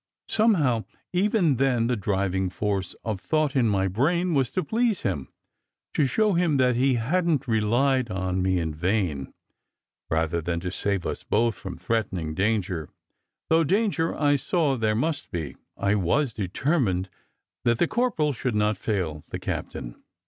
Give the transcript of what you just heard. Somehow, even then, the driving force of thought in my brain was to please him, to show him that he hadn t relied on me in vain, rather than to save us both from threatening danger, though danger I saw there must be. I was determined that the corporal should not fail the captain.